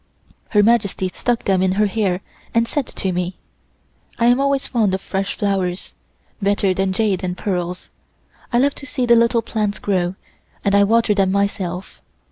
Her Majesty stuck them in her hair and said to me: "I am always fond of fresh flowers better than jade and pearls. I love to see the little plants grow, and I water them myself.